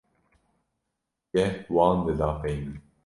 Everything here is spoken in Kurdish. geh wan dida pey min.